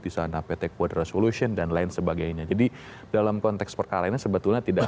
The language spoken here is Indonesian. di sana pt quadra solution dan lain sebagainya jadi dalam konteks perkara ini sebetulnya tidak